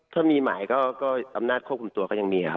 ถ้ามีหมายก็อำนาจควบคุมตัวก็ยังมีครับ